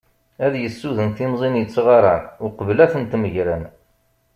Ad yessuden timẓin yettɣaran uqbel ad tent-megren.